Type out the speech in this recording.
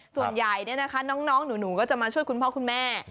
ส่วนใหญ่น้องหนูก็จะมาช่วยคุณพ่อคุณแม่